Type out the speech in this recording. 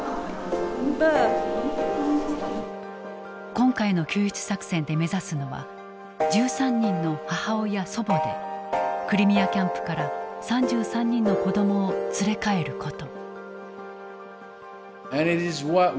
今回の救出作戦で目指すのは１３人の母親祖母でクリミアキャンプから３３人の子どもを連れ帰ること。